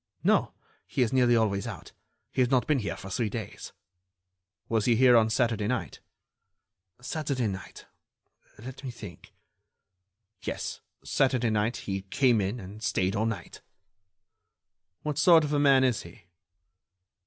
"No; he is nearly always out. He has not been here for three days." "Was he here on Saturday night?" "Saturday night?... Let me think.... Yes, Saturday night, he came in and stayed all night." "What sort of a man is he?"